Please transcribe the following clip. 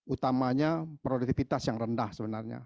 utamanya produktivitas yang rendah sebenarnya